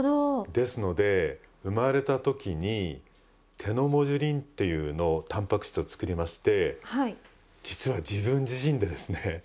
ですので生まれた時にテノモジュリンっていうのをタンパク質を作りまして実は自分自身でですね